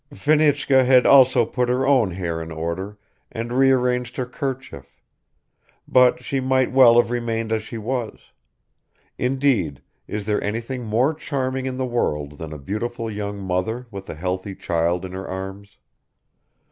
Fenichka had also put her own hair in order and rearranged her kerchief; but she might well have remained as she was. Indeed, is there anything more charming in the world than a beautiful young mother with a healthy child in her arms?